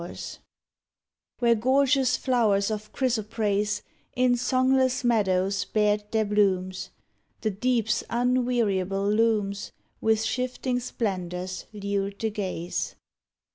87 "THE GARDENS OF I'HE SEA Where gorgeous flowers of chrysoprase In songless meadows bared their blooms, The deep's unweariable looms With shifting splendors lured the gaze.